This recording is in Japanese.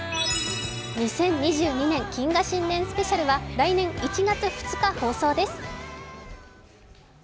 「２０２２年謹賀新年スペシャル」は来年１月２日放送です。